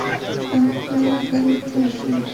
তাকে গাড়িতে বসাও।